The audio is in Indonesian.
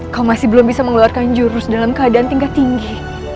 kau masih belum bisa mengeluarkan jurus dalam keadaan tingkat tinggi